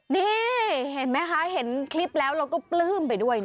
นี่เห็นไหมคะเห็นคลิปแล้วเราก็ปลื้มไปด้วยนะ